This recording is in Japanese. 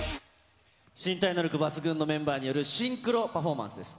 身体能力抜群のメンバーによるシンクロパフォーマンスです。